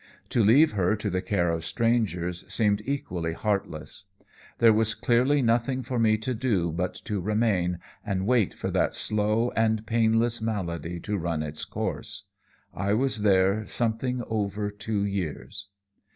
To leave her to the care of strangers seemed equally heartless. There was clearly nothing for me to do but to remain and wait for that slow and painless malady to run its course. I was there something over two years.